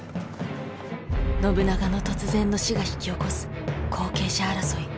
信長の突然の死が引き起こす後継者争い。